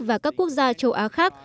và các quốc gia châu á khác